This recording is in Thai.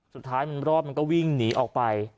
สุดท้ายมันรอดมันก็วิ่งหนีออกไป